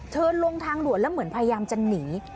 เทินลงทางรวดแล้วเหมือนพยายามจะหนี